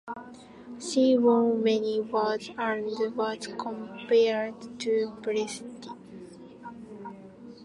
She won many awards and was compared to Presti.